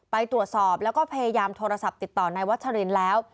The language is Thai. ไปตรวจสอบแล้วก็พยายามโทรศัพท์ติดต่อนายวัชรินแล้ว